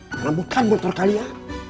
karena bukan motor kalian